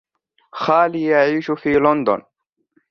خالي يعيش في لندن.